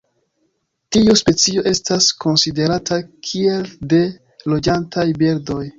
Tiu specio estas konsiderata kiel de loĝantaj birdoj.